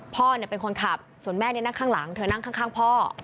พ่อเป็นคนขับส่วนแม่นั่งข้างหลังเธอนั่งข้างพ่อ